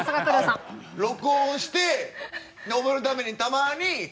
録音して覚えるためにたまに。